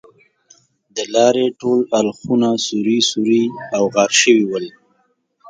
د لارې اړخونه ټول سوري سوري او غار شوي ول.